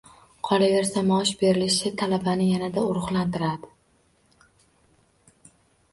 Qolaversa, maosh berilishi talabani yanada ruhlantiradi.